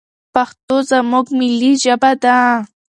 پښتو زموږ ملي ژبه ده.